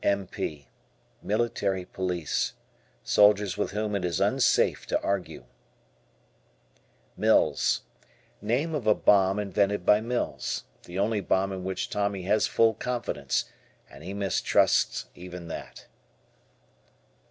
M. P. Military Police. Soldiers with whom it is unsafe to argue. "Mills." Name of a bomb invented by Mills. The only bomb in which Tommy has full confidence, and he mistrusts even that.